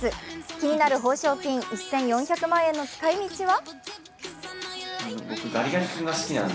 気になる報奨金１４００万円の使い道は？